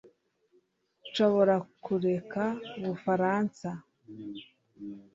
nshobora kureka ubufaransa